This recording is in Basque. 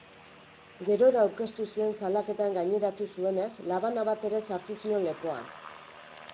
Gerora aurkeztu zuen salaketan gaineratu zuenez, labana bat ere sartu zion lepoan.